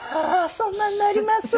そんなになります？